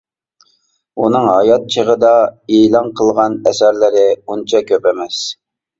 ئۇنىڭ ھايات چېغىدا ئېلان قىلغان ئەسەرلىرى ئۇنچە كۆپ ئەمەس.